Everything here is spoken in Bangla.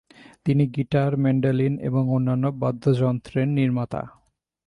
তিনি গিটার, ম্যান্ডোলিন এবং অন্যান্য বাদ্যযন্ত্র্রের নির্মাতা।